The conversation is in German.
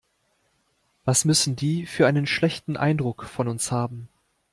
Was müssen die für einen schlechten Eindruck von uns haben.